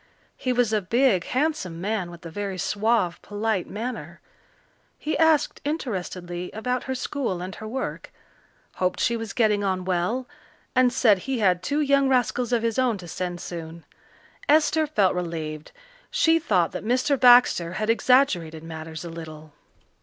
He was a big, handsome man with a very suave, polite manner. He asked interestedly about her school and her work, hoped she was getting on well, and said he had two young rascals of his own to send soon. Esther felt relieved. She thought that Mr. Baxter had exaggerated matters a little.